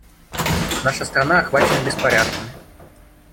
Наша страна охвачена беспорядками.